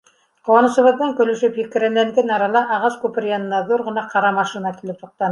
Ҡыуанысыбыҙҙан көлөшөп, һикерәнләгән арала ағас күпер янына ҙур ғына ҡара машина килеп туҡтаны.